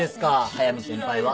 速見先輩は。